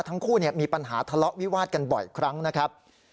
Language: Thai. ทั้งคู่มีปัญหาทะเลาะวิวาดกันบ่อยครั้งนะครับ